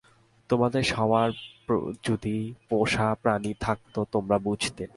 তোমাদের সবার যদি পোষাপ্রাণী থাকত, তোমরা বুঝতে।